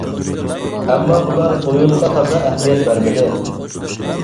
ئەمما ئۇلار ئويۇنغا تازا ئەھمىيەت بەرمىدى.